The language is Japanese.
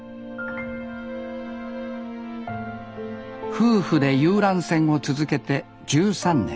夫婦で遊覧船を続けて１３年。